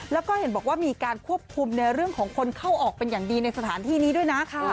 แล้วก็เห็นบอกว่ามีการควบคุมในเรื่องของคนเข้าออกเป็นอย่างดีในสถานที่นี้ด้วยนะ